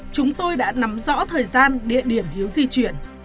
chúng tôi đã nắm rõ thời gian địa điểm hiếu di chuyển